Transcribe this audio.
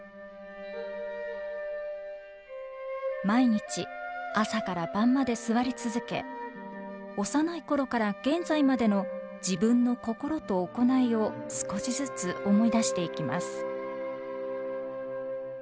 毎日朝から晩まで坐り続け幼い頃から現在までの自分の心と行いを少しずつ思い出していきます。